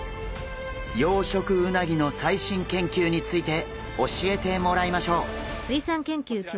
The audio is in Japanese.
養殖うなぎの最新研究について教えてもらいましょう！